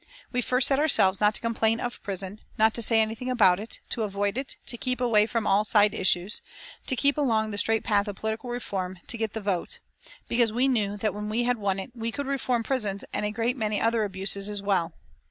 We first set ourselves not to complain of prison, not to say anything about it, to avoid it, to keep away from all side issues, to keep along the straight path of political reform, to get the vote; because we knew that when we had won it we could reform prisons and a great many other abuses as well.